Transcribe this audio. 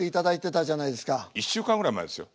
１週間ぐらい前ですよ。